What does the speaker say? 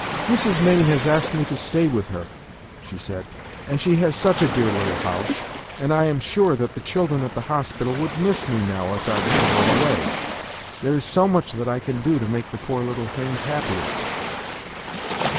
"Mrs. Mayne has asked me to stay with her," she said, "and she has such a dear little house, and I am sure that the children at the hospital would miss me now if I were to go away. There is so much that I can do to make the poor little things happier."